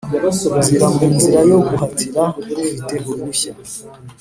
Nzira mu nzira yo guhatira ufite uruhushya